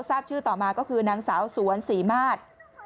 ทราบชื่อต่อมาก็คือนางสาวสวนศรีมาตร